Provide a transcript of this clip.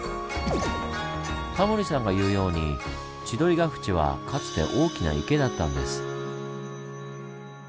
タモリさんが言うように千鳥ヶ淵はかつて大きな池だったんです。